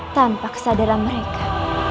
tanpa kesadaran mereka